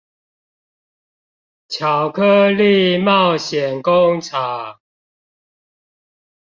巧克力冒險工廠